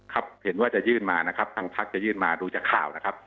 ครับเห็นว่าจะยื่นมานะครับทางพักจะยื่นมาดูจากข่าวนะครับ